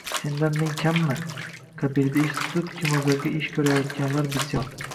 “Sendan men kammi?” qabilida ish tutib, kimoʻzarga ish koʻrayotganlar bisyor